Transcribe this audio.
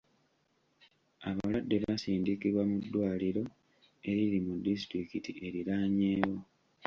Abalwadde basindikibwa mu ddwaliro eriri mu disitulikiti eriraanyeewo.